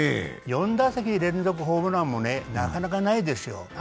４打席連続ホームランもね、なかなかないですよ。